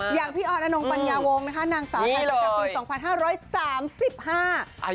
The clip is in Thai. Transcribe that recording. อย่างพี่ออนอานงปัญญาวงฯนางสาวไทยมีปี๒๕๓๕